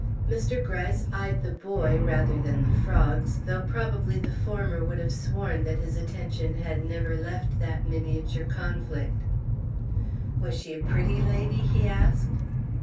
Mr. Gryce eyed the boy rather than the frogs, though probably the former would have sworn that his attention had never left that miniature conflict. "Was she a pretty lady?" he asked.